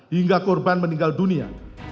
hingga korban meninggal dunia